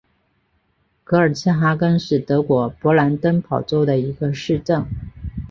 格尔茨哈根是德国勃兰登堡州的一个市镇。